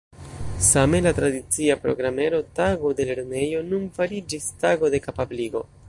Same la tradicia programero Tago de lernejo nun fariĝis Tago de kapabligo.